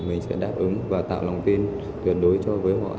mình sẽ đáp ứng và tạo lòng tin tuyệt đối cho với họ